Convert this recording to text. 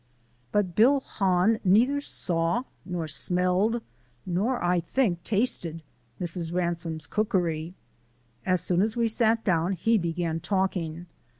But Bill Hahn neither saw, nor smelled, nor, I think, tasted Mrs. Ransome's cookery. As soon as we sat down he began talking.